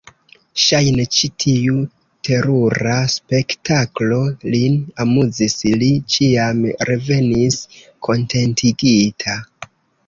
Ŝajne, ĉi tiu terura spektaklo lin amuzis: li ĉiam revenis kontentigita.